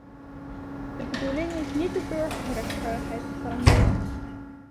De bedoeling is niet de burgers rechtvaardigheid te garanderen.